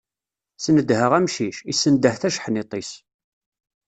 Snedheɣ amcic, issendeh tajeḥniḍt-is.